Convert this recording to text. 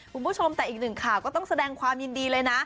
คุณผู้ชมแต่อีกหนึ่งข่าวก็ต้องแสดงความยินดีเลยนะ